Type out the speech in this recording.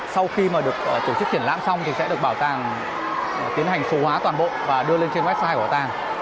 sau khi mà được tổ chức triển lãm xong thì sẽ được bảo tàng tiến hành số hóa toàn bộ và đưa lên trên website của bảo tàng